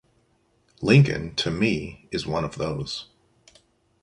Lincoln, to me, is one of those.